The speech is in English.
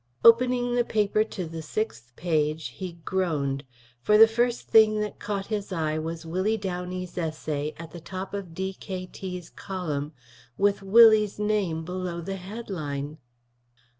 Opening the paper to the sixth page, he groaned; for the first thing that caught his eye was Willie Downey's essay, at the top of D.K.T.'s column, with Willie's name below the headline.